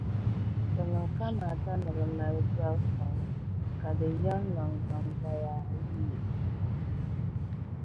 Di niŋ kamaata ni bɛ mali biɛr’ suŋ, ka di yɛri naŋgbanvoya ayiyi.